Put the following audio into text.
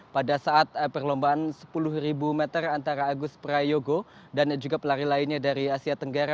pada saat perlombaan sepuluh meter antara agus prayogo dan juga pelari lainnya dari asia tenggara